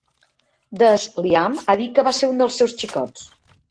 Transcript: Des Lyam ha dit que va ser un dels seus xicots.